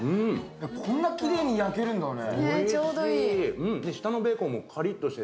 こんなきれいに焼けるんだね。